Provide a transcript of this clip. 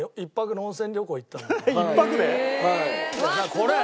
これ！